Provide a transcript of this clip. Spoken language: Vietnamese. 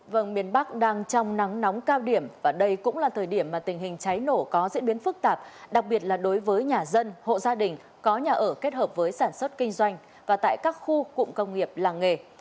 vâng miền bắc đang trong nắng nóng cao điểm và đây cũng là thời điểm mà tình hình cháy nổ có diễn biến phức tạp đặc biệt là đối với nhà dân hộ gia đình có nhà ở kết hợp với sản xuất kinh doanh và tại các khu cụm công nghiệp làng nghề